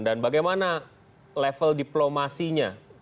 dan bagaimana level diplomasinya